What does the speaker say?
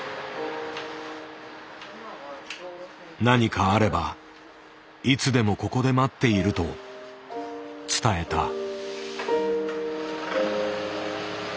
何かあればいつでもここで待っていると伝えた。